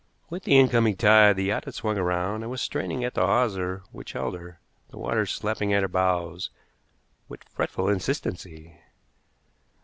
With the incoming tide the yacht had swung around, and was straining at the hawser which held her, the water slapping at her bows with fretful insistency.